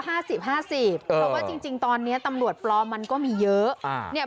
เพราะว่าจริงตอนนี้ตำรวจปลอมมันก็มีเยอะ